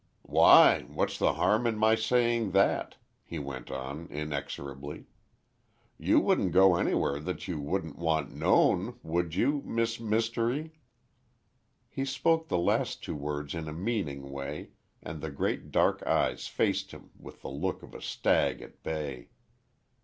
"Why, what's the harm in my saying that?" he went on, inexorably. "You wouldn't go anywhere that you wouldn't want known—would you—Miss Mystery?" He spoke the last two words in a meaning way, and the great dark eyes faced him with the look of a stag at bay.